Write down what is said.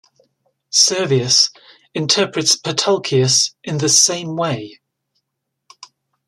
Servius interprets Patulcius in the same way.